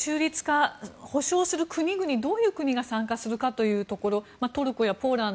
中立化、保証する国々どういう国が参加するかということ。